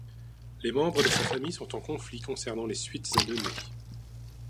Les membres de sa famille sont en conflit concernant les suites à donner.